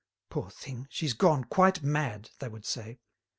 "Poor thing! She's gone quite mad," they would say.